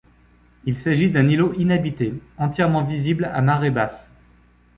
Il s'agit d'un îlot inhabité, entièrement visible à marée basse.